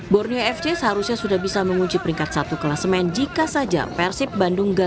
borneo fc seharusnya sudah bisa mengunci peringkat satu kelasmen jika saja persib bandung gatot